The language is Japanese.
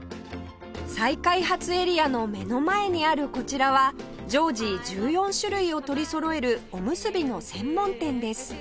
再開発エリアの目の前にあるこちらは常時１４種類を取りそろえるおむすびの専門店です